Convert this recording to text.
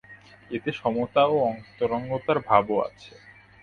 এতে সমতা ও অন্তরঙ্গতার ভাবও আছে।